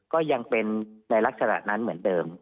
ก็ยังเป็นในลักษณะนั้นเหมือนเดิม